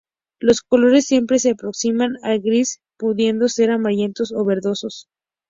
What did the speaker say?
Los colores siempre se aproximan al gris, pudiendo ser amarillentos o verdosos.